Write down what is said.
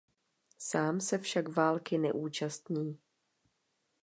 Sám se však války neúčastní.